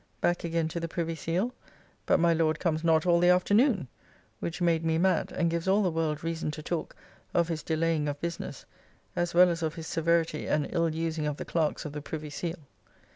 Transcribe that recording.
Back again to the Privy Seal; but my Lord comes not all the afternoon, which made me mad and gives all the world reason to talk of his delaying of business, as well as of his severity and ill using of the Clerks of the Privy Seal.